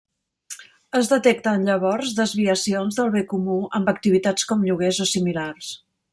Es detecten llavors desviacions del bé comú amb activitats com lloguers o similars.